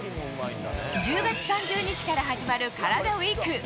１０月３０日から始まるカラダＷＥＥＫ。